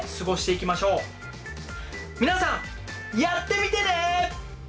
皆さんやってみてね！